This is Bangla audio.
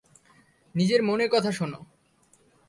নিজের মনের কথা শোন।